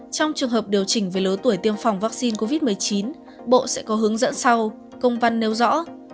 trong trường hợp điều chỉnh về lứa tuổi tiêm phòng vaccine covid một mươi chín bộ sẽ có hướng dẫn sau công văn nêu rõ